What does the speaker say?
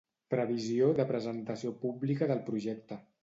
Previsió de presentació pública del projecte.